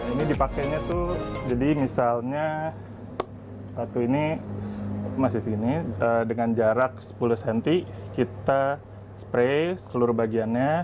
ini dipakainya tuh jadi misalnya sepatu ini masih segini dengan jarak sepuluh cm kita spray seluruh bagiannya